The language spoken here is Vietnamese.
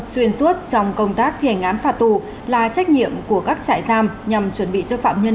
xuyên suốt trong công tác thi hành án phạt tù là trách nhiệm của các trại giam nhằm chuẩn bị cho phạm nhân